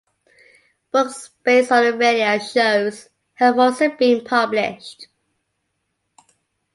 Books based on the radio shows have also been published.